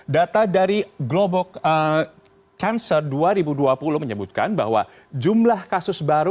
data dari global cancer dua ribu dua puluh menyebutkan bahwa jumlah kasus baru